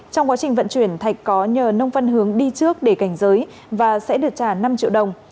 trong quá trình vận chuyển thạch có nhờ nông văn hướng đi trước để cảnh giới và sẽ được trả năm triệu đồng